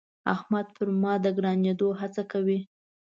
احمد پر ما د ګرانېدو هڅه کوي.